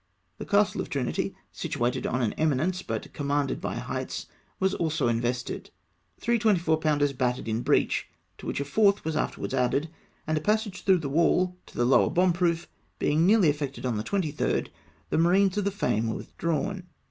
The castle of Trinity, situated on an eminence, but commanded by heights, was also invested. Three 24 pounders battered in breach, to which a fourth was afterwards added, and a passage through the wall to the lower bomb proof being nearly effected on the 23rd, the marines of the Fame were withdrawn.